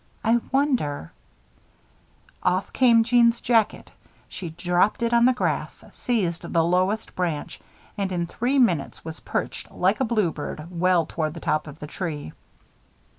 I wonder " Off came Jeanne's jacket. She dropped it on the grass, seized the lowest branch, and in three minutes was perched, like a bluebird, well toward the top of the tree.